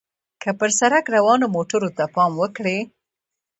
که پر سړک روانو موټرو ته پام وکړئ.